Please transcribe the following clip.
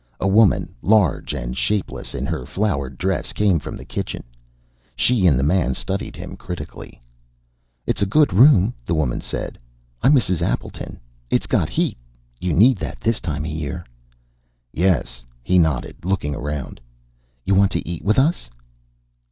A woman, large and shapeless in her flowered dress, came from the kitchen. She and the man studied him critically. "It's a good room," the woman said. "I'm Mrs. Appleton. It's got heat. You need that this time of year." "Yes." He nodded, looking around. "You want to eat with us?"